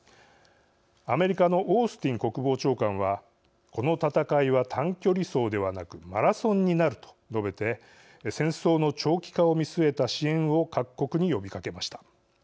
アメリカのオースティン国防長官は「この戦いは短距離走ではなくマラソンになる」と述べて戦争の長期化を見据えた支援を各国に呼びかけました。